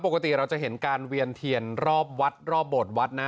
ปกติเราจะเห็นการเวียนเทียนรอบวัดรอบโบสถวัดนะ